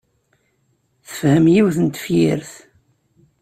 Tefhem yiwet n tefyirt.